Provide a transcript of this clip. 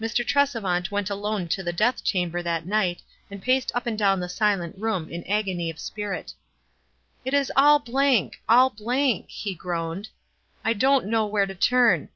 Mr. Trcsevant went alone to the death cham ber that night, and paced up and down the silent room hi agony of spirit. " U is ail blank ! all blank !" he groaned. "I don't know where to turn.